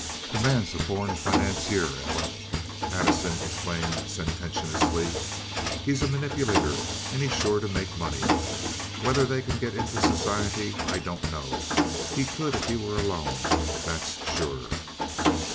"The man's a born financier, Ella," Addison explained, sententiously. "He's a manipulator, and he's sure to make money. Whether they can get into society I don't know. He could if he were alone, that's sure.